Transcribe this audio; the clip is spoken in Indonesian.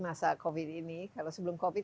masa covid ini kalau sebelum covid